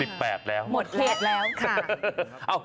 หมดเพดแล้วค่ะ